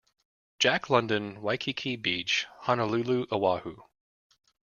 Jack London, Waikiki Beach, Honolulu, Oahu.